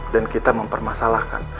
dan kita mempermasalahkan